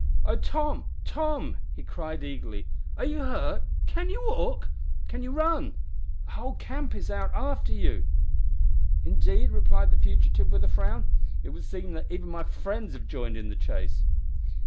"Oh! Tom, Tom," he cried, eagerly, "are you hurt? Can you walk? Can you run? The whole camp is out after you." "Indeed?" replied the fugitive, with a frown. "It would seem that even my friends have joined in the chase."